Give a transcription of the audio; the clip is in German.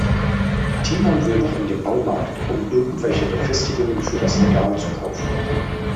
Timon will noch in den Baumarkt, um irgendwelche Befestigungen für das Regal zu kaufen.